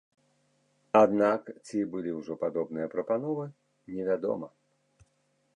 Аднак, ці былі ўжо падобныя прапановы, невядома.